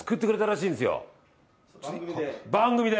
番組で！